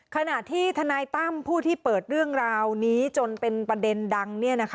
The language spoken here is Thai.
ขณะที่ทนายตั้มผู้ที่เปิดเรื่องราวนี้จนเป็นประเด็นดัง